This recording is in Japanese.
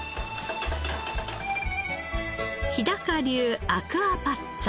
日流アクアパッツァ。